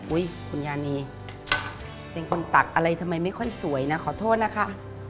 คุณยานีเป็นคนตักอะไรทำไมไม่ค่อยสวยนะขอโทษนะคะ